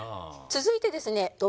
続いてですねど